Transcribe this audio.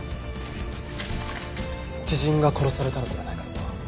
知人が殺されたのではないかと。